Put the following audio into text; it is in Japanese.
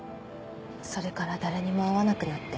それから誰にも会わなくなって。